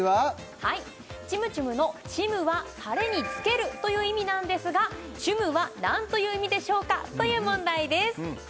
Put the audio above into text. はいチムチュムの「チム」は「タレにつける」という意味なんですが「チュム」は何という意味でしょうかという問題です